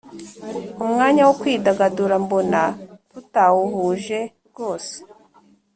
umwanya wo kwidagadura mbona tutawuhuje rwose.